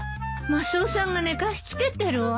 マスオさんが寝かしつけてるわ。